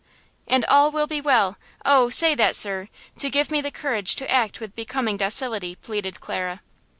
"And all will be well! Oh, say that, sir! to give me the courage to act with becoming docility," pleaded Clara.